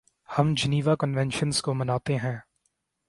ہم Geneva conventions کو مانتے ہیں۔